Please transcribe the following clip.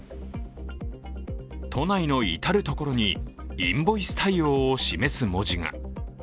都内の至るところにインボイス対応を示す文字が。